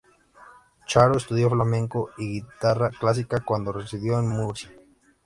Charo estudió Flamenco y Guitarra Clásica cuando residió en Murcia.